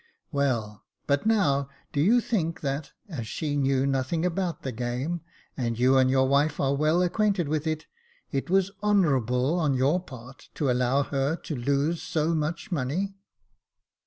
"Well, but now, do you think that, as she knew nothing about the game, and you and your wife are well acquainted with it, it was honourable on your part to allow her to lose so much money